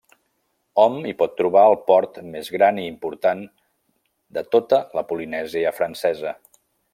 Hom hi pot trobar el port més gran i important de tota la Polinèsia Francesa.